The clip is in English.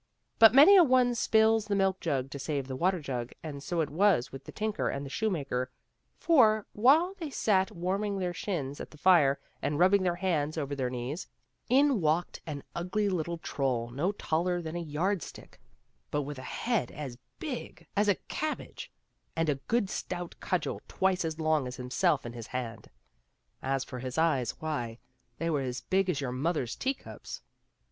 But many a one spills the milk mug to save the water jug, and so it was with the tinker and the shoemaker ; for, while they sat warming their shins at the fire and rubbing their hands over their knees, in walked an ugly little troll no taller than a yard stick, but with a head as big as a 0:0 258 THE STAFF AND THE FIDDLE. cabbage, and a good stout cudgel twice as long as himself in his hand ; as for his eyes, why, they were as big as your mother's teacups.